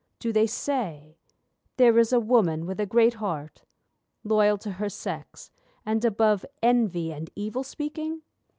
Do they say: 'There is a woman with a great heart, Loyal to her sex, and above envy and evil speaking?